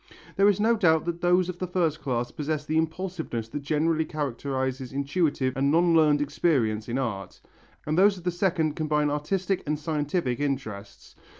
There is no doubt that those of the first class possess the impulsiveness that generally characterizes intuitive and non learned experience in art, and those of the second combine artistic and scientific interests.